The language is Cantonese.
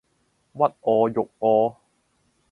屈我辱我